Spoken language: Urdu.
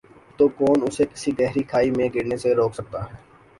تو کون اسے کسی گہری کھائی میں گرنے سے روک سکتا ہے ۔